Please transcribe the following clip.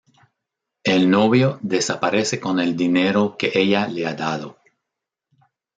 El novio desaparece con el dinero que ella le ha dado.